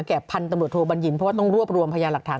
พันธุ์ตำรวจโทบัญญินเพราะว่าต้องรวบรวมพยานหลักฐาน